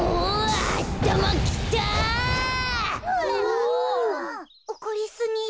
おこりすぎる。